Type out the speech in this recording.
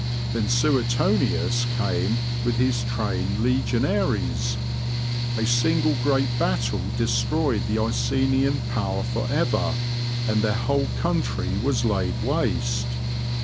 Then Suetonius came with his trained legionaries; a single great battle destroyed the Icenian power for ever, and their whole country was laid waste.